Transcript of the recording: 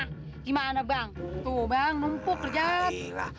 gimana bang tuh bang numpuk kerja